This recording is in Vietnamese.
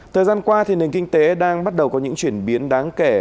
thời gian qua nền kinh tế đang bắt đầu có những chuyển biến đáng kể